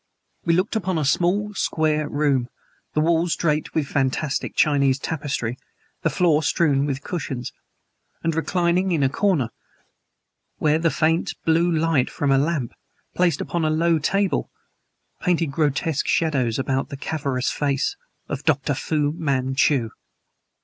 We looked upon a small, square room, the walls draped with fantastic Chinese tapestry, the floor strewn with cushions; and reclining in a corner, where the faint, blue light from a lamp, placed upon a low table, painted grotesque shadows about the cavernous face was Dr. Fu Manchu!